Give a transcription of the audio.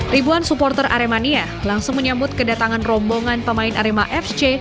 ribuan supporter aremania langsung menyambut kedatangan rombongan pemain arema fc